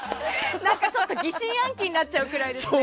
疑心暗鬼になっちゃうくらいですね。